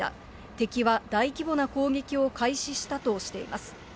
敵は大規模な攻撃を開始したとしています。